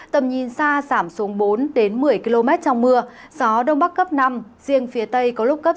tầm nhìn xa giảm xuống bốn một mươi km trong mưa gió đông bắc cấp năm riêng phía tây có lúc cấp sáu